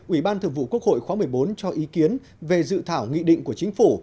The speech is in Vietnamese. ủy ban thượng vụ quốc hội khóa một mươi bốn cho ý kiến về dự thảo nghị định của chính phủ